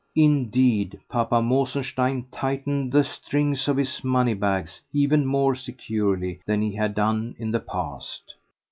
Indeed Papa Mosenstein tightened the strings of his money bags even more securely than he had done in the past.